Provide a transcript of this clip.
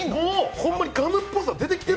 ほんまにガムっぽさ出てきてる。